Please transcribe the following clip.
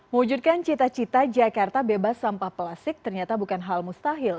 mewujudkan cita cita jakarta bebas sampah plastik ternyata bukan hal mustahil